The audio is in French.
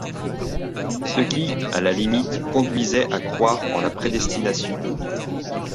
Ce qui, à la limite conduisait à croire en la prédestination.